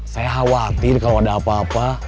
saya khawatir kalau ada apa apa